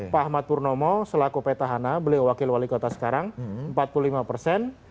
pak ahmad purnomo selaku petahana beliau wakil wali kota sekarang empat puluh lima persen